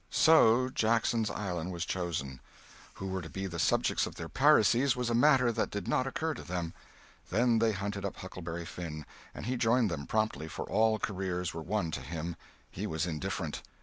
So Jackson's Island was chosen. Who were to be the subjects of their piracies was a matter that did not occur to them. Then they hunted up Huckleberry Finn, and he joined them promptly, for all careers were one to him; he was indifferent.